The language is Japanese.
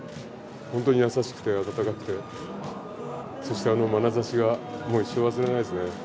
本当に優しくて、温かくて、そしてあのまなざしが、もう一生忘れられないですね。